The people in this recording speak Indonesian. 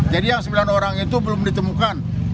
jadi yang sembilan orang itu belum ditemukan